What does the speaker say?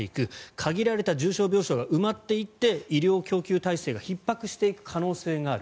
限られた重症病床が埋まっていって医療供給体制がひっ迫していく可能性がある。